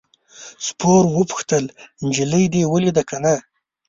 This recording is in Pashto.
سپور وپوښتل نجلۍ دې ولیده که نه.